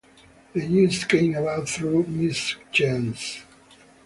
The issue came about through mischance.